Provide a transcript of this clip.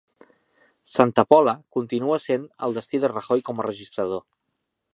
Santa Pola continua sent el destí de Rajoy com a registrador